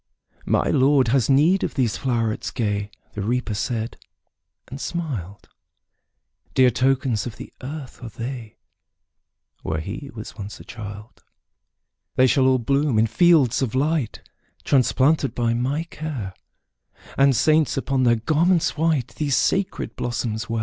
``My Lord has need of these flowerets gay,'' The Reaper said, and smiled; ``Dear tokens of the earth are they, Where he was once a child. ``They shall all bloom in fields of light, Transplanted by my care, And saints, upon their garments white, These sacred blossoms wear.''